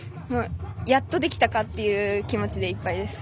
やっとできたかっていう気持ちでいっぱいです。